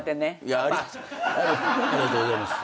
ありがとうございます。